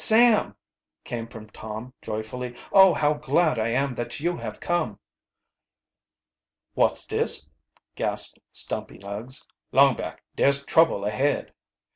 Sam!" came from Tom joyfully. "Oh, how glad I am that you have come." "Wot's dis!" gasped Stumpy Nuggs. "Longback, dare's trouble ahead!"